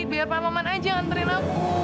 biar pak maman aja yang ngerinaku